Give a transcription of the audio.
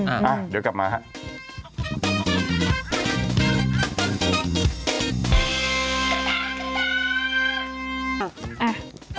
อืมอ่ะเดี๋ยวกลับมาค่ะอืม